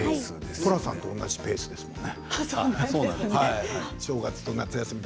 寅さんと同じペースですね。